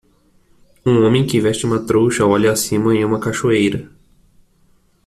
Um homem que veste uma trouxa olha acima em uma cachoeira.